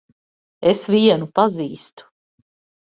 Es vienu pazīstu.